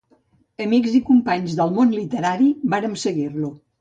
Amics i companys del món literari, vàrem seguir-lo